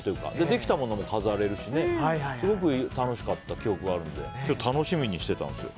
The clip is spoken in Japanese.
できたものも飾れるしすごく楽しかった記憶があるので今日、楽しみにしてたんですよ。